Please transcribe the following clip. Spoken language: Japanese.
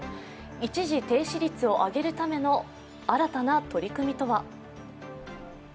一時停止率を上げるための新たな取り組みとは。